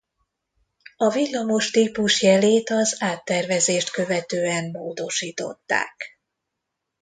A villamos típusjelét az áttervezést követően módosították.